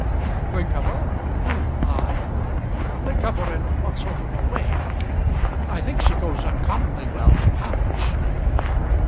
"Think of her! who? I? Think of her in what sort of a way? I think she goes uncommonly well to hounds."